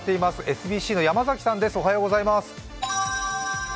ＳＢＣの山崎さんです。